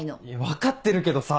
分かってるけどさ。